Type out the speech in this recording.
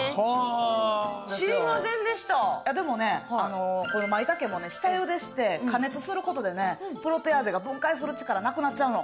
でもね、このマイタケも下ゆでして加熱することでねプロテアーゼが分解する力なくなっちゃうの。